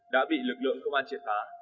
đã bị lực lượng công an triệt phá